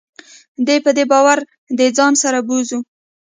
دی به باره دځان سره بوزو .